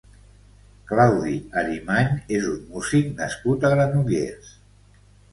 Claudi Arimany és un músic nascut a Granollers.